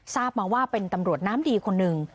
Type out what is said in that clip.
ทราบมาว่าเป็นตำรวจน้ำดีคนหนึ่ง